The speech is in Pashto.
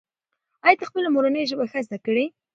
ایا ته خپله مورنۍ ژبه ښه زده کوې؟